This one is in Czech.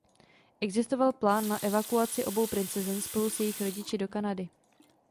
Existoval plán na evakuaci obou princezen spolu s jejich rodiči do Kanady.